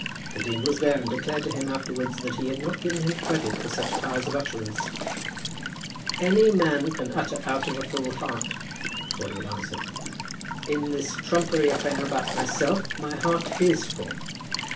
The dean was there and declared to him afterwards that he had not given him credit for such powers of utterance. "Any man can utter out of a full heart," Crawley had answered. "In this trumpery affair about myself, my heart is full!